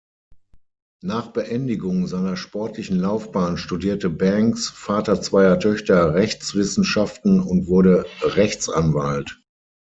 Nach Beendigung seiner sportlichen Laufbahn studierte Banks, Vater zweier Töchter, Rechtswissenschaften und wurde Rechtsanwalt.